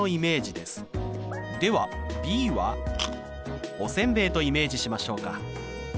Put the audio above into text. ではｂはおせんべいとイメージしましょうか。